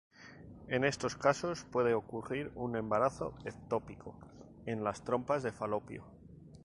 En estos casos puede ocurrir un embarazo ectópico en las trompas de Falopio.